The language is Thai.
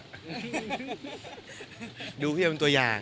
ดูพี่เอาเป็นตัวอย่าง